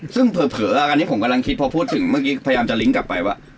ซึ่งเผลออันนี้ผมกำลังคิดพอพูดถึงเมื่อกี้พยายามจะลิงก์กลับไปว่า